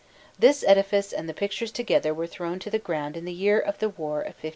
This edifice and the pictures together were thrown to the ground in the year of the war of 1529.